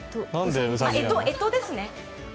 干支ですね。